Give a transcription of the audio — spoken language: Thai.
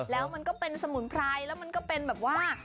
แล้วมันก็เป็นสมุนไพรแล้วมันก็เป็นแบบว่า